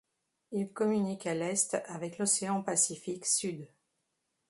Il communique à l'est avec l'océan Pacifique sud.